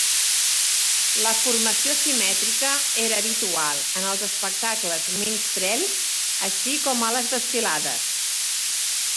La formació simètrica era habitual en els espectacles minstrel, així com a les desfilades.